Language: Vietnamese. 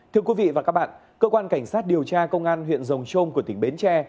thưa quý vị và các bạn cơ quan cảnh sát điều tra công an huyện rồng trôm của tỉnh bến tre